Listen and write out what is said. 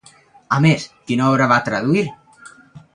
A més, quina obra va traduir?